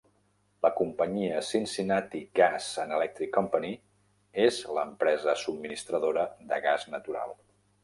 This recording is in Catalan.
La companyia Cincinnati Gas and Electric Company és l'empresa subministradora de gas natural.